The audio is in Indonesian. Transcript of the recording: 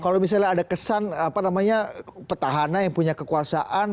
kalau misalnya ada kesan petahana yang punya kekuasaan